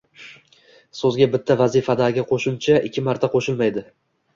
Soʻzga bitta vazifadagi qoʻshimcha ikki marta qoʻshilmaydi